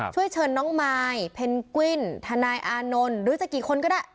ช่วยเชิญน้องมายเพนกวิ้นทนายอานนท์หรือจะกี่คนก็ได้